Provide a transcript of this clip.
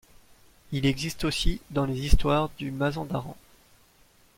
Il existe aussi dans les histoires du Mazandaran.